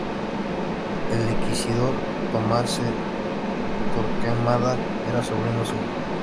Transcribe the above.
El inquisidor Tomás de Torquemada era sobrino suyo.